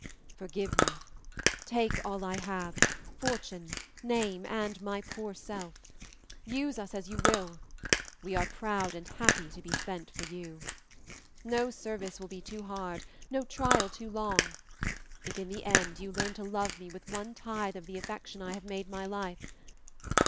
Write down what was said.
"Forgive me! Take all I have fortune, name, and my poor self; use us as you will, we are proud and happy to be spent for you! No service will be too hard, no trial too long if in the end you learn to love me with one tithe of the affection I have made my life.